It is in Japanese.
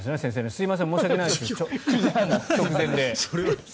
すみません、申し訳ないです直前で。